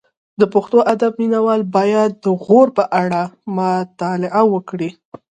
د پښتو ادب مینه وال باید د غور په اړه مطالعه وکړي